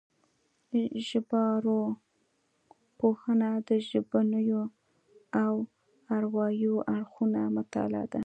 ژبارواپوهنه د ژبنيو او اروايي اړخونو مطالعه ده